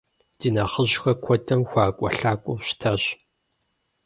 Ди нэхъыжьхэр куэдым хуэӏэкӏуэлъакӏуэу щытащ.